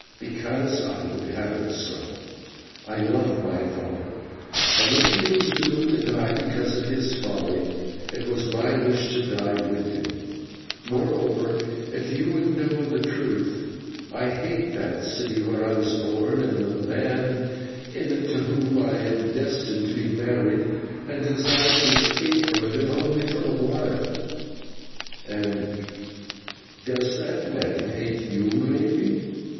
"Because I would have it so. I love my father, and if he was doomed to die because of his folly, it was my wish to die with him. Moreover, if you would know the truth, I hate that city where I was born, and the man in it to whom I am destined to be married, and desired to escape from it if only for a while." "And does that man hate you, Lady?"